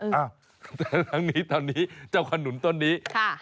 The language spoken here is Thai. ซักครั้งนี้ตอนนี้เจ้าขนุลต้นนี้